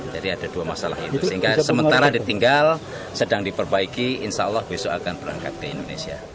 jadi ada dua masalah itu sehingga sementara ditinggal sedang diperbaiki insya allah besok akan berangkat ke indonesia